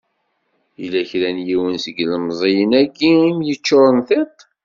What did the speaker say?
Yella kra n yiwen seg yilemẓyen-agi i m-yeččuren tiṭ?